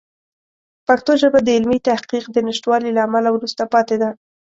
پښتو ژبه د علمي تحقیق د نشتوالي له امله وروسته پاتې ده.